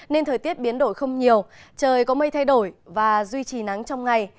nên thời tiết biến đổi không nhiều trời có mây thay đổi và duy trì nắng trong ngày